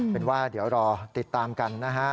เป็นว่าเดี๋ยวรอติดตามกันนะฮะ